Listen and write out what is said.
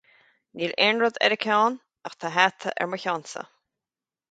Níl aon rud ar a ceann, ach tá hata ar mo cheannsa